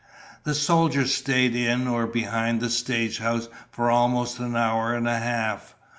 The soldiers stayed in or behind the stagehouse for almost an hour and a half.